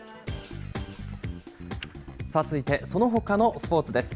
さあ続いて、そのほかのスポーツです。